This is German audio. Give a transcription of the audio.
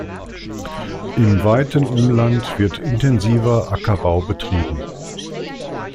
Im weiten Umland wird intensiver Ackerbau betrieben.